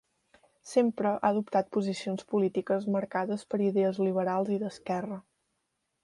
Sempre ha adoptat posicions polítiques marcades per idees liberals i d'esquerra.